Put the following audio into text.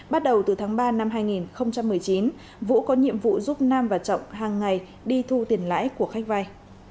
bắt đầu từ tháng ba năm hai nghìn một mươi chín vũ có nhiệm vụ giúp nam và trọng hàng ngày đi thu tiền lãi của khách vay